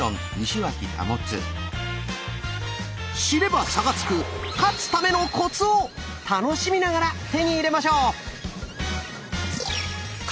知れば差がつく「勝つためのコツ」を楽しみながら手に入れましょう！